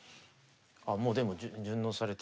あもうでも順応されてて。